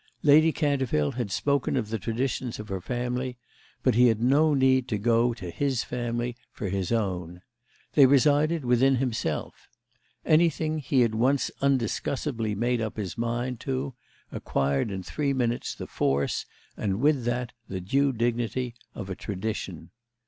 Lady Canterville had spoken of the traditions of her family; but he had no need to go to his family for his own. They resided within himself; anything he had once undiscussably made up his mind to acquired in three minutes the force, and with that the due dignity of a tradition.